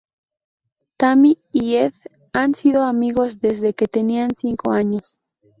Tammy y Ed han sido amigos desde que tenían cinco años.